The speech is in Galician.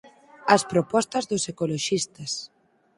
As propostas dos ecoloxistas